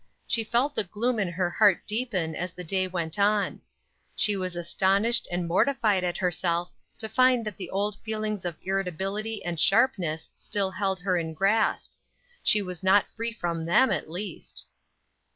She felt the gloom in her heart deepen as the day went on. She was astonished and mortified at herself to find that the old feelings of irritability and sharpness still held her in grasp; she was not free from them, at least.